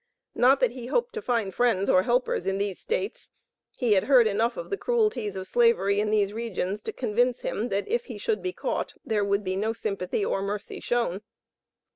Not that he hoped to find friends or helpers in these States. He had heard enough of the cruelties of Slavery in these regions to convince him, that if he should be caught, there would be no sympathy or mercy shown.